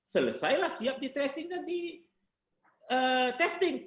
selesailah siap di tracing dan di testing